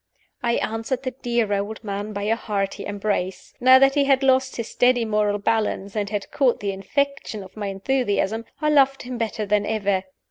I answered the dear old man by a hearty embrace. Now that he had lost his steady moral balance, and had caught the infection of my enthusiasm, I loved him better than ever.